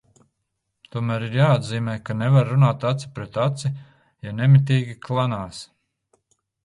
Tomēr ir arī jāatzīmē, ka nevar runāt aci pret aci, ja nemitīgi klanās.